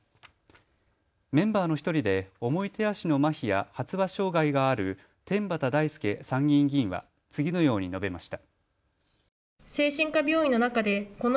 メンバーの１人で重い手足のまひや発話障害がある天畠大輔参議院議員は次のように述べました。